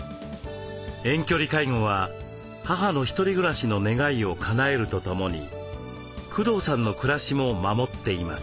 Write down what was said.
遠距離介護は母の一人暮らしの願いをかなえるとともに工藤さんの暮らしも守っています。